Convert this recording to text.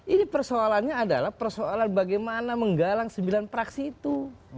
ini persoalannya adalah persoalan bagaimana menggalang sembilan praksi itu